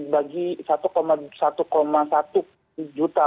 bagi satu satu juta